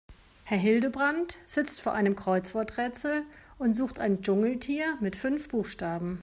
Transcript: Herr Hildebrand sitzt vor einem Kreuzworträtsel und sucht ein Dschungeltier mit fünf Buchstaben.